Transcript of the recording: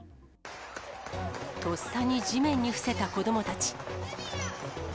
とっさに地面に伏せた子どもたち。